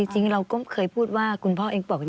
จริงเราก็เคยพูดว่าคุณพ่อเองบอก